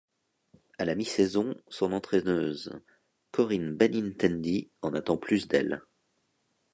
À la mi-saison, son entraîneuse Corinne Benintendi en attend plus d'elle.